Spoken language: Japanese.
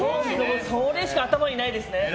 それしか頭にないですね。